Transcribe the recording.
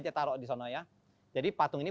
kita taruh di sana ya jadi patung ini